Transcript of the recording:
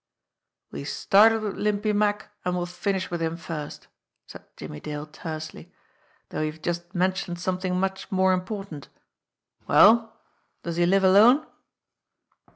"We started with Limpy Mack, and we'll finish with him first," said Jimmie Dale tersely ; "though you've just men tioned something much more important. Well, does he live alone?"